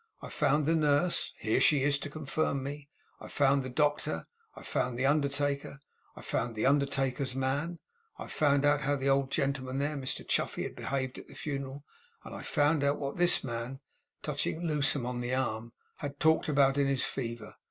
I found the nurse here she is to confirm me; I found the doctor, I found the undertaker, I found the undertaker's man. I found out how the old gentleman there, Mr Chuffey, had behaved at the funeral; and I found out what this man,' touching Lewsome on the arm, 'had talked about in his fever.